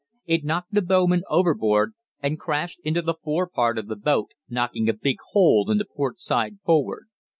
It knocked the bowman overboard and crashed into the fore part of the boat, knocking a big hole in the port side forward.